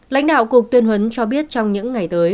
lãnh đạo cục tuyên huấn cho biết trong những ngày tới